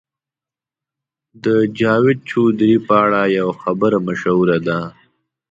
د جاوید چودهري په اړه یوه خبره مشهوره ده.